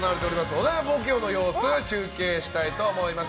お台場冒険王の様子中継したいと思います。